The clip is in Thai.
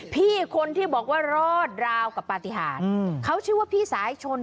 พี่คนที่บอกว่ารอดราวกับปฏิหารเขาชื่อว่าพี่สายชน